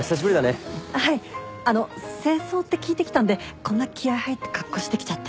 あの正装って聞いて来たんでこんな気合い入った格好してきちゃって。